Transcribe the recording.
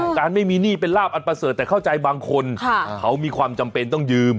การไม่มีหนี้เป็นลาบอันประเสริฐแต่เข้าใจบางคนเขามีความจำเป็นต้องยืม